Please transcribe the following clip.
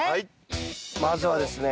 まずはですね